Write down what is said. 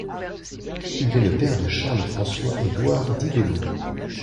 Il est le père de Charles François Édouard Didelot.